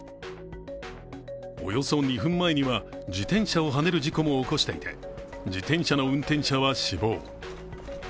およそ２分前には自転車をはねる事故も起こしていて自転車の運転者は死亡。